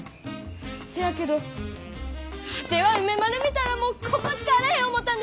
せやけどワテは梅丸見たらもうここしかあらへん思たんです！